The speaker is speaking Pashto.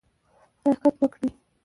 حرکت وکړئ